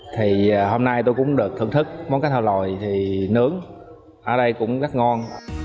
thì hôm nay tôi cũng được thưởng thức món cá thò lòi thì nướng ở đây cũng rất ngon